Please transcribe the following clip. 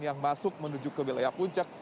yang masuk menuju ke wilayah puncak